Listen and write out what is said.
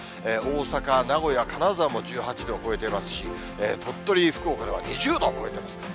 大阪、名古屋、金沢も１８度を超えてますし、鳥取、福岡では２０度を超えてます。